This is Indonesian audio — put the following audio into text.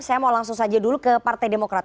saya mau langsung saja dulu ke partai demokrat